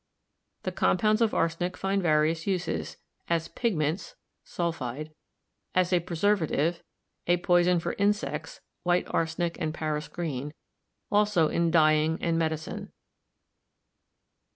The compounds of ar senic find various uses, as pigments (sulphide) ; as a pre servative; a poison for insects (white arsenic and Paris green) ; also in dyeing and medicine.